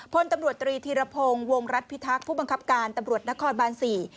พลตำรวจตรีธีรพงศ์วงรัฐพิทักษ์ผู้บังคับการตำรวจนครบานสี่